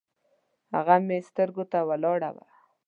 هغه مې سترګو ته ولاړه وه